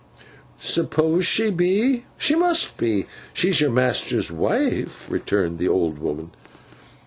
'Suppose she be? She must be. She's your master's wife,' returned the old woman.